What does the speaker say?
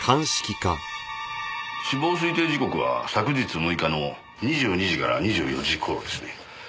死亡推定時刻は昨日６日の２２時から２４時頃ですね。